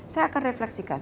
saya akan refleksikan